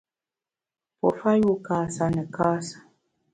Pue fa yu kâsa ne kâsa.